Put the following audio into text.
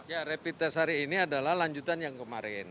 ya rapid test hari ini adalah lanjutan yang kemarin